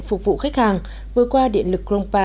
phục vụ khách hàng vừa qua điện lực krongpa